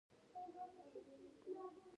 هغه سترګې به د چا هېرې شي!